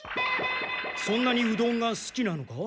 そんなにうどんが好きなのか？